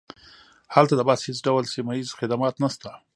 هلته د بس هیڅ ډول سیمه ییز خدمات نشته